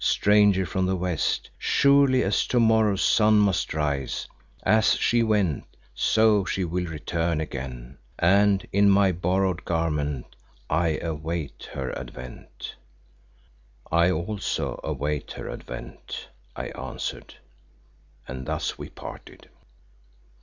Stranger from the West, surely as to morrow's sun must rise, as she went, so she will return again, and in my borrowed garment I await her advent." "I also await her advent," I answered, and thus we parted.